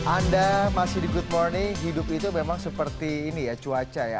anda masih di good morning hidup itu memang seperti ini ya cuaca ya